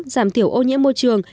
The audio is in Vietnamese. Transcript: giảm thiểu ô nhiễm môi trường